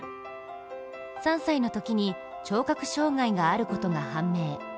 ３歳のときに聴覚障害があることが判明。